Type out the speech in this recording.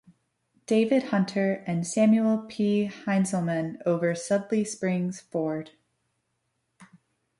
David Hunter and Samuel P. Heintzelman over Sudley Springs Ford.